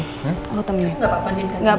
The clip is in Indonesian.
eh gak usah gak apa apa